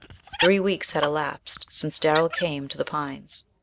Three weeks had elapsed since Darrell came to The Pines.